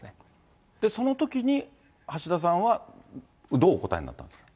そのときに橋田さんは、どうお答えになったんですか。